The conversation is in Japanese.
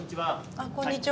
あっこんにちは。